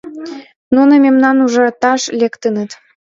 Нуно мемнам ужаташ лектыныт.